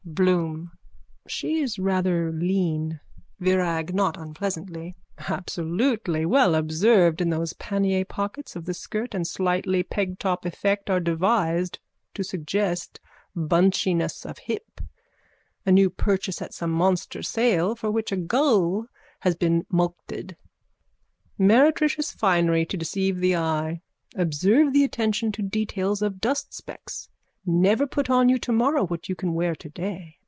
BLOOM: She is rather lean. VIRAG: (Not unpleasantly.) Absolutely! Well observed and those pannier pockets of the skirt and slightly pegtop effect are devised to suggest bunchiness of hip. A new purchase at some monster sale for which a gull has been mulcted. Meretricious finery to deceive the eye. Observe the attention to details of dustspecks. Never put on you tomorrow what you can wear today.